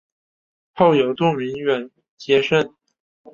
后由杜明远接任。